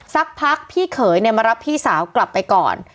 สักพักพี่เขยเนี่ยมารับพี่สาวกลับไปก่อน